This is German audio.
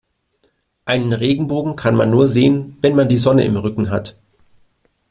Einen Regenbogen kann man nur sehen, wenn man die Sonne im Rücken hat.